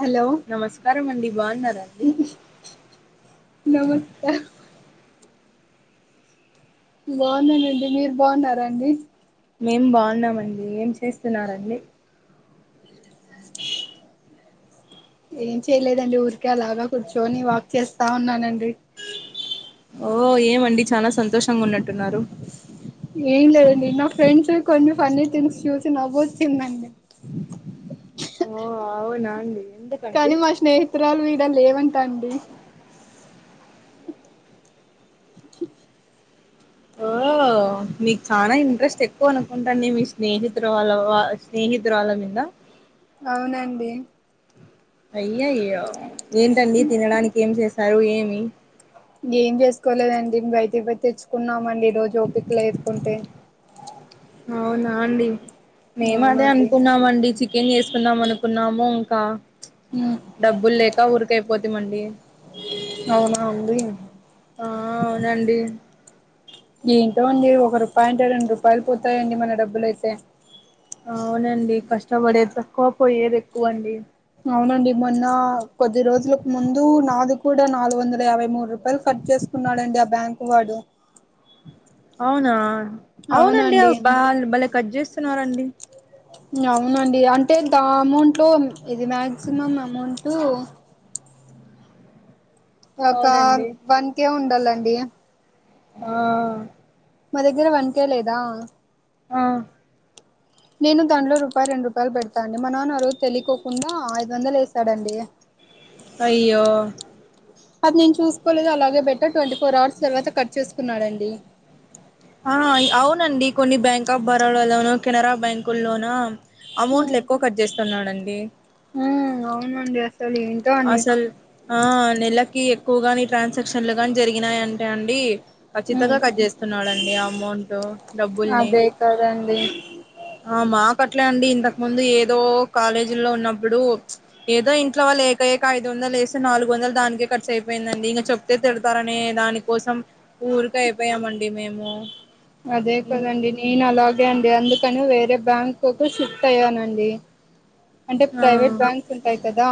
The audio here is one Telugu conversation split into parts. హలో నమస్కారం అండి బాగున్నారా అండి నమస్కారం బాగున్నానండి మీరు బాగున్నారండి మేం బాగున్నామండి ఏం చేస్తున్నారండి ఏం చేయలేదండి ఊరికే అలాగ కూర్చోని వాక్ చేస్తా ఉన్నానండి ఓ ఏమండి చాలా సంతోషంగా ఉన్నట్టున్నారు ఏం లేదండి నా ఫ్రెండ్స్ వి కొన్ని ఫన్నీ థింగ్స్ చూసి నవ్వోచిందండి ఓ అవునా అండి ఎందుకు కానీ మా స్నేహితురాలు ఇడ లేవంటాండి ఓ మీకు చాలా ఇంట్రెస్ట్ ఎక్కువ అనుకుంటాండి మీ స్నేహితు వాళ్ళ వా స్నేహితురాలు వాళ్ళ మీద అవునండి అయ్యాయో ఏంటండి తినడానికి ఏం చేసారు ఏమి ఏం చేసుకోలేదండి బయటకి పోయి తెచ్చుకున్నామండి ఈ రోజు ఓపిక లేకుంటే అవునా అండి మేము అదే అవునండి అనుకున్నామండి చికెన్ చేసుకున్నాం అనుకున్నాము ఇంకా ఉమ్, డబ్బులు లేక ఊరికైపోతిమండి అవునా అండి ఆ అవునండి ఏంటో అండి ఒక రూపాయి ఉంటే రెండు రూపాయలు పోతాయండి మన డబ్బులు అయితే అవునండి కష్టపడేది తక్కువ పోయేది ఎక్కువ అండి అవునండి మొన్న కొద్ది రోజులకు ముందు నాది కూడా నాలుగు వందల యాబై మూడు రూపాయలు కట్ చేసుకున్నాడండి ఆ బ్యాంక్ వాడు అవునా అవునండి బ బలే కట్ చేస్తునరండి అవునండి అంటే దా అమౌంట్లో ఇది మ్యాక్సిమం అమౌంటు ఒక అవునండి వన్ కే ఉండాలండి ఆ మా దగ్గర వన్ కే లేదా ఆ నేను దాంట్లో రూపాయి రెండు రూపాయలు పెడతాను అండి మా నాన్న ఆ రోజు తెలియకోకుండా ఐదు వందలు వేసాడండీ అయ్యో అది నేను చూసుకోలేదు అలాగే బెట్టా ట్వంటీ ఫోర్ అవర్స్ తర్వాత కట్ చేసుకున్నాడండి ఆ అవునండి కొన్ని బ్యాంక్ ఆఫ్ బరోడా లోను కెనరా బ్యాంకు లోనా అమౌంట్లు ఎక్కువ కట్ చేస్తున్నాడండి ఆ అవునండి అసలు ఏంటి అసలు ఆ నెలకి ఎక్కువగాని ట్రాన్సాక్షన్లు గాని జరిగినాయంటే అండి ఉ ఖచ్చితంగా కట్ చేస్తున్నాడండి ఆ అమౌంట్ డబ్బుల్ని తే కదండి ఆ మాకట్లే అండి ఇంతకు ముందు ఏదో కాలేజీల్లో ఉన్నప్పుడు ఏదో ఇంట్లో వాళ్ళు ఏ ఏయాకేక ఐదు వందలు లేసి నాలుగు వందలు దానికే ఖర్చు అయిపోయిందండి ఇంక చెప్తే తిడతారనే దాని కోసం ఊరికయిపోయామండి మేము అదే కదండి నేను అలాగే అండి అందుకని వేరే బ్యాంక్కు షిఫ్ట్ అయ్యానండి అంటే ఆ ప్రైవేట్ బ్యాక్స్ ఉంటాయి కదా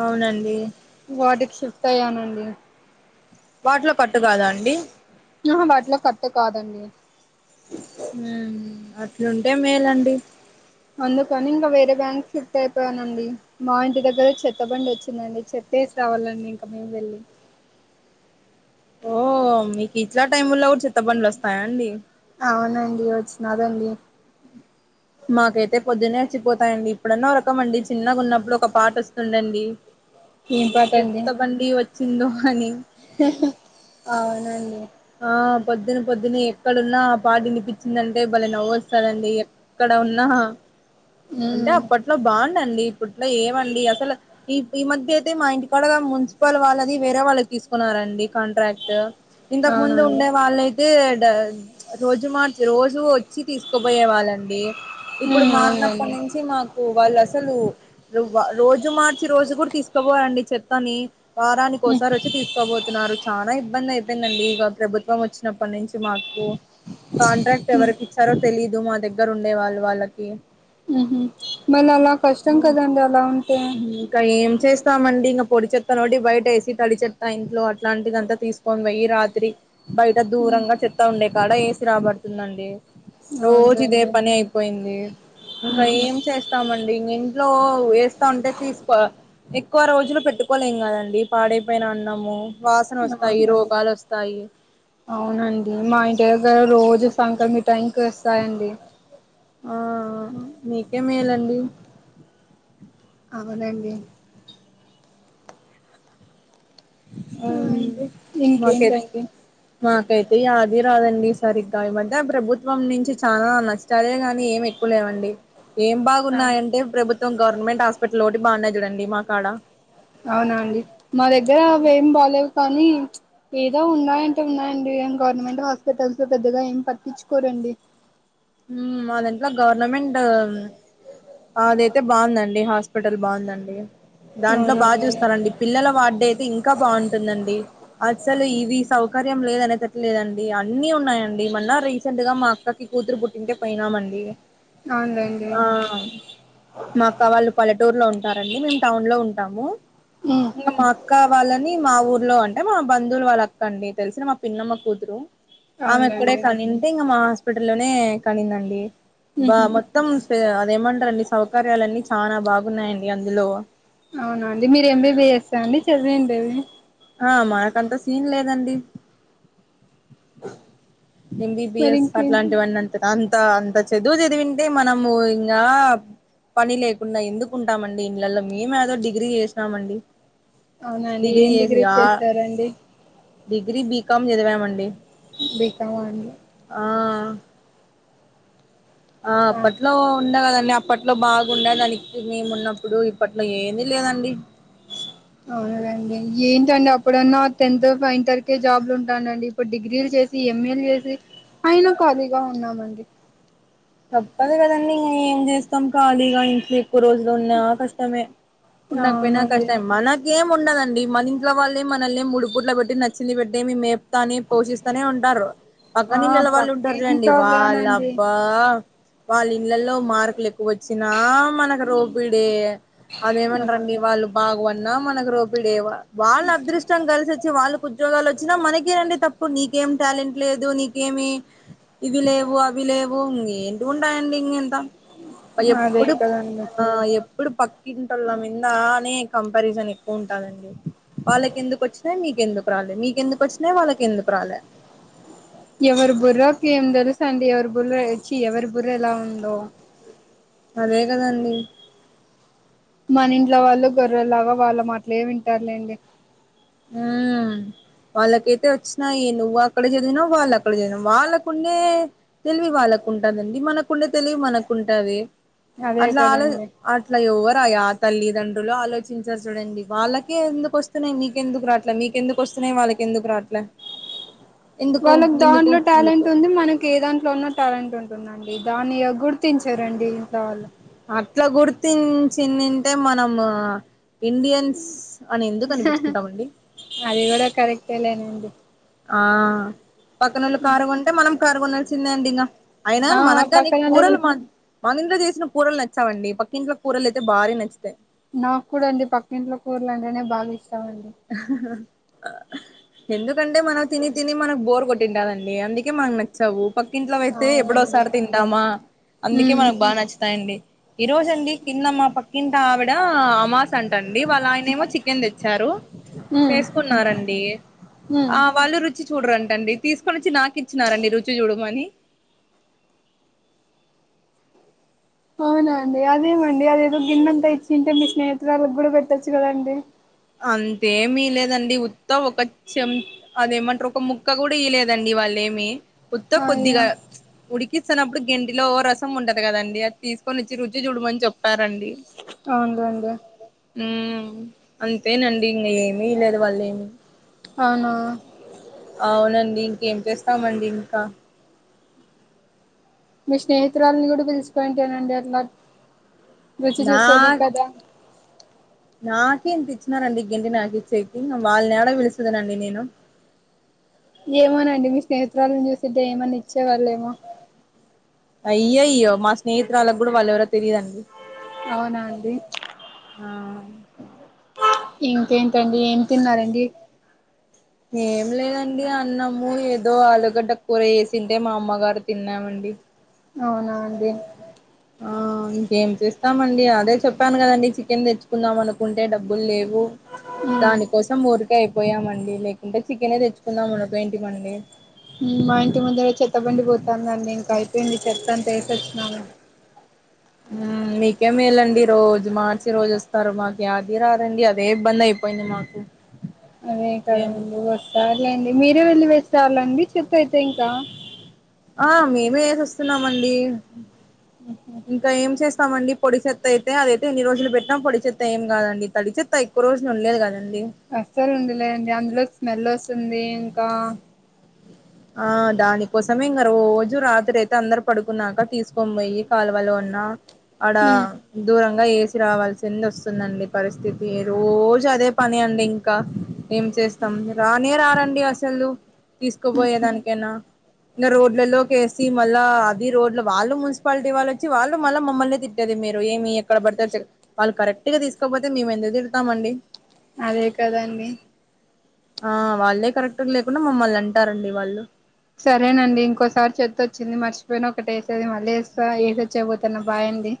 అవునండి వాటికి షిఫ్ట్ అయ్యానండి వాటిలో కట్టు కాదా అండి ఆహా వాటిలో కట్ కాదండి ఉం అట్లుంటే మేలండి అందుకని ఇంగా వేరే బ్యాంక్ షిఫ్ట్ అయిపోయానండి మా ఇంటి దగ్గర చెత్తబండి వచ్చిందండి చెత్తేసి రావాలండి ఇంకా మేము వెళ్ళి ఓ మీకు ఇట్లా టైంల్లో కూడా చేత్తబండ్లు వస్తాయండి అవునండి వచ్చినదండి మాకైతే పొద్దునే వచ్చిపోతాయండి ఇప్పుడన్న ఒక రకం అండి చిన్నగా ఉన్నప్పుడు ఒక పాట వస్తుందండి [inaudible] పాట అండి చెత్తబండి వచ్చిందో అని అవునండి ఆ పొద్దున్న పొద్దున్న ఎక్కడున్నా ఆ పాట వినిపించిందంటే బలే నవ్వు వస్తాదండి ఏక్కడ ఉన్నా అంటే ఉమ్ అప్పట్ ఇంట్లో బాగుండండి ఇప్పట్లో ఏమండి అసలు ఈ ఈ మధ్య అయితే మా ఇంటి గాడా ము [unintelligible] వాళ్ళది వేరే వాళ్ళు తీసుకున్నారండి కాంట్రాక్ట్ ఇంతకు ముందు అవునండి ఉండే వాళ్ళై తే రోజు మార్చి రోజు వచ్చి తీసుకుపోయే వాళ్ళండి ఇప్పుడు ఉమ్ మారినప్పటి అవునండి నుంచి మాకు వాళ్ళు అసలు రోజు మార్చి రోజు కూడా తీసుకోపోవరండి చెత్తని వారాని ఓసారి వచ్చి తీసుకోబోతున్నారు చాలా ఇబ్బంది అయితంది అంతేనండి వాళ్ళు ప్రభుత్వం వచ్చినప్పటి నుంచి మాకు కాంట్రాక్ట్ ఎవరికి ఇచ్చారో తెలీదు మా దగ్గర ఉండే వాళ్ళు వాళ్ళకి ఉమ్ హా మళ్ళీ అలా కష్టం కదండి అలా ఉంటే ఇంక ఏం చేస్తామండి ఇంక పొడి చెత్త మట్టికి బయట వేసి తడి చెత్త ఇంట్లో అట్లాంటిదంతా తీసుకు కొన్ని ఈ రాత్రి బయట దూరంగా చెత్తా ఉండే కాడ ఏసి రాబడుతుందండి రోజు ఇదే అవునులేండి పని అయిపోయింది ఇంకా ఉహు ఏం చేస్తాం వస్తామండి ఇంగా ఇంట్లో వేస్తా ఉంటే తీసుకో ఎక్కువ రోజులు పెట్టుకోలేం కదండి పాడైపోయిన అన్నము వాసన వస్తాయి అవునండి రోగాలు వస్తాయి అవునండి మా ఇంటి దగ్గర రోజు సంక్రాంతి టైమ్ కి వస్తాయండి. ఆ ఆ మీకే మేలండి అవునండి ఉమ్ అవునండి మాకై ఇంకేంటండి మాకైతే యాది రాదండి సరిగ్గా ఈ మధ్య ప్రభుత్వం నుంచి చాలా నాచ్ చదివినా గాని ఏం ఎక్కువ లేవండి ఏం ఆ బాగున్నాయంటే ప్రభుత్వం గవర్నమెంట్ హాస్పిటల్ ఒకటి బాగున్నాయి చూడండి మాకాడ అవునా అండి మా దగ్గర అవి ఏం బాలేవు కానీ ఏదో ఉన్నాయంటే ఉన్నాయండి గవర్నమెంట్ హాస్పిటల్స్ లో పెద్దగా ఏం పట్టించుకోరండి ఉమ్ మా దాంట్లో గవర్నమెంట్ అదైతే బాగుందండి హాస్పిటల్ బాగుందండి దాంట్లో బాగా అవునండి చూస్తారండి పిల్లల వార్డు అయితే ఇంకా బాగుంటుందండి అస్సలు ఇవి సౌకర్యం లేదు అనేటట్లు లేదండి అన్ని ఉ ఉన్నాయండి మొన్న రీసెంట్ గా మా అక్కకి కూతురు పుట్టింటే పోయినామండి అవునులేదండి లమా అక్క వాళ్ళు పల్లెటూరులో ఉంటారండి మేము టౌన్ లో ఉంటాము ఉ ఇంకా మా అక్క వాళ్ళని మీ మా ఊర్లో అంటే మా బంధువులు వాళ్ళ అక్క అండి తెలిసిన మా పిన్నమ్మ కూతురు ఆమె అక్కడే అవునులేండి కనింటే ఇంకా మా హాస్పిటల్ లోనే కనిందండి బా ఉహు మొత్తం మొత్తం అదేమంటారండి సౌకర్యలన్నీ చాలా బాగున్నాయండి అందులో అవునండి మీరు ఎంబీబిఎస్ ఆ అండి చదివండేది ఆ మనకంత సీన్ లేదండి మరి ఏంబిబియస్ ఇంకేంటి అట్లాంటివన్నీ అంత అంత అంత చదువు చదివింటే మనము ఇంగా పని లేకుండా ఎందుకు ఉంటామండి ఇళ్లలో మేము ఏదో డిగ్రీ చేసినామండి అవున అండి ఏం చేసి డిగ్రీ ఆ చేసారండి డిగ్రీ బీకామ్ చదివామండి బికాం అండి ఆ ఆ అప్పట్లో ఉండా లే అప్ అప్పట్లో బాగుండే దానికి మేము ఉన్నప్పుడు ఇప్పట్లో ఏమీ లేదండి అవునులేండి ఏంటండి అప్పుడన్నా టెన్త్ ఫైన్ ఇంటర్ వరకే జాబ్లు ఉంటానండి ఇప్పుడు డిగ్రీలు చేసి ఎంఏలు చేసి అయిన ఖాళీగా ఉన్నామండి తప్పదు కదండి ఇంగ ఏం చేస్తాం ఖాళీగా ఇంట్లో ఎక్కువ రోజులు ఉన్నా కష్టమే ఉన్నాకు పోయినా అవునండి కష్టం మన ఇంకేం ఏంముండదండి మన ఇంట్లో వాళ్ళే మనల్ని ముడు పుట్లా పెట్టి నచ్చింది పెట్టే మేం తని పోషిస్తానే ఉంటారు పక్క ఆ నీళ్లల్లా వాళ్ళు ఉంటారు చూడండి వాళ్ళ పక్కింటోళ్ళనండి అబ్బా వాళ్ళ ఇళ్లలో మార్కులు ఎక్కువ వచ్చినా మనకు రోపిడే అదే ఆ ఏమంటారండీ వాళ్ళు బాగు అన్న మనకు రోపిడే వాళ్ళ అదృష్టం కలిసి అచ్చి వాళ్ళకి ఉద్యోగాలు వచ్చినా మనకేనండి త నీకేమి టాలెంట్ లేదు నీకేమి ఇవి లేవు అవి లేవు ఇ ఉంటాయండీ ఇంగ అంత అదే ఎప్పుడు కదండి ఆ ఏ ఇప్పుడు పక్కింటోళ్ళ మీద నే కంపారిజన్ ఎక్కువ ఉంటదండి వాళ్ళకు ఎందుకు వచ్చినాయి మీకెందుకు రాలే మీకెందుకు వచ్చినాయి వాళ్ళకి ఎందుకు రాలే ఎవరి బుర్ర కి ఏం తెలుసు అండి ఎవరి బుర్ర అచ్చి ఎవరి బుర్రె ఎలా ఉందో అదే కదండి మన ఇంట్లో వాళ్ళు గొర్రెలాగా వాళ్ళ మాట్లే వింటారులేండి ఆ వాళ్ళకైతే వచ్చినాయి నువ్వు అక్కడ చదివిన వాళ్ళ అక్కడ చదివిన వాళ్ళకుండే తెలివి వాళ్ళకు ఉంటదండి మనకుండే తెలివి మనకుంటది అదే అట్లా ఆలో కదండి అట్లా ఎవరయ్యా ఆ తల్లిదండ్రులు ఆలోచించారు చూడండి వాళ్ళకే ఎందుకు వస్తున్నాయి మీ ఎందుకు రాట్లే మీకెందుకు వస్తున్నాయి వాళ్ళకి ఎందుకు రావట్లే వాళ్ళకు దాంట్లో టాలెంట్ ఉంది మన ఏ దాంట్లో ఉన్న టాలెంట్ ఉంటుందండి దాన్ని ఇగ గుర్తించరండి ఇంట్ల వాళ్ళు అట్లా గుర్తించిందింటే మనము ఇండియన్స్ అని ఎందుకు అనిపించుకుంటామండి అది కూడా కరెక్టే లేండి ఆ పక్కనోళ్ళు కారు కొంటే మనం కారు కొనాల్సిందే అండి ఇగ అయినా ఆ మనక్కాని పక్కనోళ్ళ కూరలు మా మన ఇంట్లో చేసిన కూరలు నచ్చావండి పక్కింట్లో కూరలు అయితే భారీ నచ్చుతాయి నాకు కూడా అండి పక్కింట్లో కూరలు అంటేనే బాగా ఇస్తామండి ఎందుకంటే మనం తిని తిని మనకు బోర్ కొట్టింటదండి అందుకే మనకు న చ్చవు పక్కింట్లో అయితే ఎప్పుడో అవునండి ఒసారి తింటామా అందుకే ఉమ్ మనకు బాగా నచ్చుతాయండి ఈ రోజు అండి కింద మా పక్కింటి ఆవిడ అమాస్ అంటండి వాళ్ళు ఆయన ఏమో చికెన్ తెచ్చారు ఉమ్ చేసుకున్నారండి ఉమ్ ఆ వాళ్ళు రుచి చూడరంట అండి తీసుకొచ్చి నాకు ఇచ్చినారండి రుచి చూడమని అవునా అండి అదేమండి అదేదో గిన్నెంతా ఇచ్చింటే మీ స్నేహితురాలకి కూడా పెట్టచ్చు కదండి అంతేమీ ఇయ్యలేదండి ఉత్త ఒక చె అదేమంటారు ఒక ముక్క కూడా ఇయ్యలేదండి వాళ్ళు ఏమి ఉత్త అయ్యో కొద్దిగా ఉడికిస్సన్నప్పుడు గేన్టిలో రసం ఉంటది కదండి, అద్ తీస్కొనోచ్చి రుచి చుడమని చెప్పారన్. అవున్లేండి మ్ అంతేనండి ఇంగ ఏమి లేదు వాల్లినీ అవునా అవునండి ఇంకేం చేస్తామండిన్కా మీ స్నేహితురాల్ని కూడా పిల్చుపోయింటేనండి అట్లా రుచి నా చూసేది కదా నాకే ఇంతిచ్చినారండి గేంటి నాకిచ్చేకి ఇంగ వాళ్న్యాడ విల్సుదునండి నేను. ఏమోనండి మీ స్నేహితురాల్ని జూసింటే ఏమన్న ఇచ్చేవాళ్ళేమో అయ్యయ్యో మా స్నేహితురాల్లకుడా వాళ్లేవరో తెలిదండి అవునా అండి ఆ ఇంకేంటండి ఏం తిన్నారండి ఏం లేదండి అన్నము ఏదో, ఆలుగడ్డ కూర ఏసింటే మా అమ్మగారు తిన్నామండి. అవునా అండి ఆ ఇంకేం చేస్తామండి, అదే చెప్పాను కదండి చికెన్ తెచ్చుకుందాం అనుకుంటే డబ్బుల్లేవ్. ఊ మ్మ్ దాని కోసం ఊరి కైయిపోయామండి లేకుంటే చికెనే తెచ్చుకుందాం అనుకోయిన్టిమండి మ్ మా ఇంటి ముందర చెత్త బండి పోతన్దండి, ఇంక అయిపేన్ది చెత్తంతా ఏసేసినామన్. మ్ మీకే మేలండి రోజు మార్చి రోజోస్తారు, మక్యాది రదండి అదే ఇబ్బందైపోయింది మా. అదే కదండి వస్తార్లేండి మీరే వెళ్ళి వేస్రాళ్ళండి చెతైతే ఇంకా. ఆ మేము ఏసేస్తున్నాంమన్డి ఇంక ఏం చేస్తామండి? పొడి చెత్తేతే అదైతే ఎన్ని రోజులు బేట్న, పోడి చేత్త ఏం కాదండి తడిచేత్త ఎక్కువ్ రోజులు ఉన్లేదుకదండి. అస్సల్న్డలేదండి అందులోకి స్మెల్స్తుంది ఇంకా ఆ దానికోసమిమ్గా రోజు రాత్రే తే అందరు పడుకున్నాక తీసుకొన్ బొయ్యి కాలువలో ఉన్నా ఆడ మ్మ్ దూరంగా ఏసి రావాల్సింది వస్తుందండి పరిస్థితి ఈ రోజు అదే పని అండి ఇంకా ఏం చేస్తాం రానే రారండి అస్సలు [unintelligible] పోయే దానికేనా ఇంగ రోడ్లలోకేసి మళ్ళా అది రోడ్ల వాళ్ళు మున్సిపాల్టీ వాళ్లొ. చి వాళ్ళు మళ్ళ మమ్మల్నే తిట్టేది మీరు ఏమి ఎక్కడబడితే [unintelligible] వాళ్ళు కరె క్ట్ గా తీస్కపోతే మేమెందుకు తిడతామండి అదే కదండి ఆ వాళ్ళే కరెక్ట్కు లేకుండ మమ్మల్నంటారండి వాళ్ళు సరేనండి ఇంకోసారి చెతోచ్చింది మర్చిపోయిన, ఒక్కటెస్తది మళ్లేస్తా ఏసొచ్చేకి పోతన్నా బాయ్అన్డి.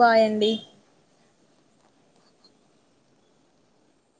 బాయండి